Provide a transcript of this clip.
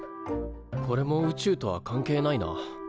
これも宇宙とは関係ないな。